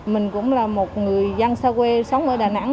mình cũng là một người dân xa quê sống ở đà nẵng